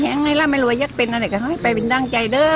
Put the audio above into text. ยังไงล่ะไม่รวยอยากเป็นอะไรก็เฮ้ยไปเป็นตั้งใจเด้อ